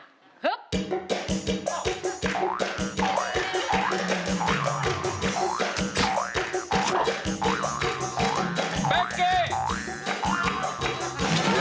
แป๊กเก้